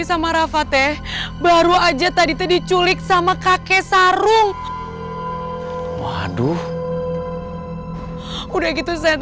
sama rafa teh baru aja tadi tadi culik sama kakek sarung waduh udah gitu saya